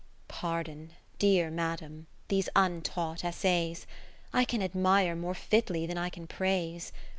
Pardon (dear Madam) these untaught essays, I can admire more fitly than I praise.